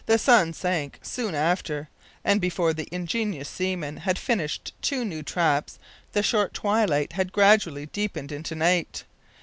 The sun sank soon after, and before the ingenious seaman had finished two new traps the short twilight had gradually deepened into night.